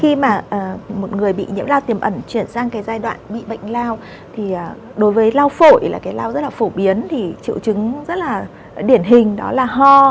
khi mà một người bị nhiễm lao tiềm ẩn chuyển sang cái giai đoạn bị bệnh lao thì đối với lao phổi là cái lao rất là phổ biến thì triệu chứng rất là điển hình đó là ho